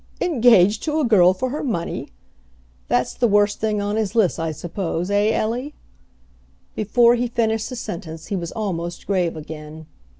"Engaged to a girl for her money? That's the worst thing on his list, I suppose, eh, Ellie?" Before he finished the sentence he was almost grave again.